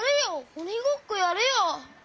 おにごっこやるよ！